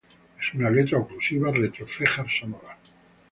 Es una letra oclusiva retrofleja sonora.